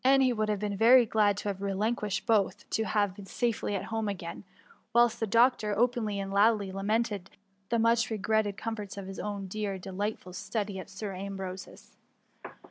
he would have been very glad to have relinquished both, to have been safely at home again ; whilst the doctor openly and loudly lamented the much regretted comforts of hi$ own dear de lightful study at Sir Ambrose'^s.